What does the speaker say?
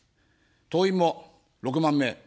党員も６万名。